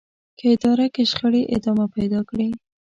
که اداره کې شخړې ادامه پيدا کړي.